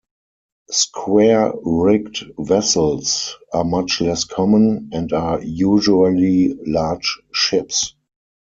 Square-rigged vessels are much less common, and are usually large ships.